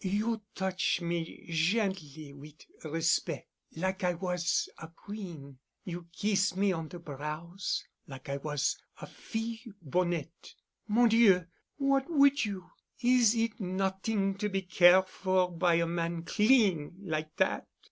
"You touch' me gently—wit' respec', like I was a queen—you kiss me on de brows—like I was a fille bonnête. Mon Dieu! What would you? Is it not'ing to be care' for by a man clean like dat?"